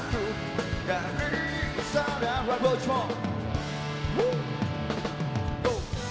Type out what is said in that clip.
tuhan kuat sangat kuat